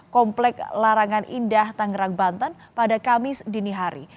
komplek larangan indah tangerang banten pada kamis dini hari